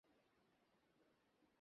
ভয় পেয়েই ভদ্র লোককে ডাকলাম।